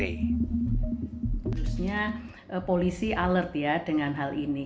khususnya polisi alert ya dengan hal ini